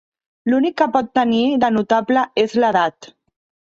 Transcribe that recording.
L'únic que pot tenir de notable és l'edat.